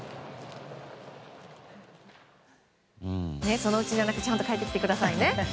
そのうちじゃなくてちゃんと帰ってきてくださいね。